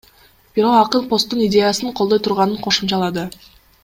Бирок акын посттун идеясын колдой турганын кошумчалады.